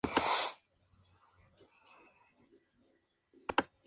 Vendió todos sus cuadros en una sola noche.